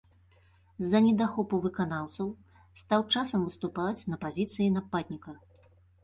З-за недахопу выканаўцаў стаў часам выступаць на пазіцыі нападніка.